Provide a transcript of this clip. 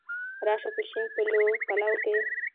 را شه په شین پلو کي